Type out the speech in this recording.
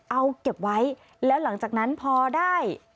เอาเก็บไว้แล้วหลังจากนั้นพอได้